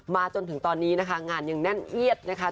จนถึงตอนนี้นะคะงานยังแน่นเอียดนะคะ